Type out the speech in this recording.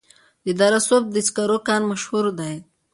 د دره صوف د سکرو کان مشهور دی